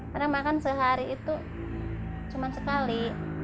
kadang makan sehari itu cuman sekali